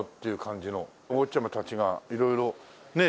お坊ちゃまたちが色々ね。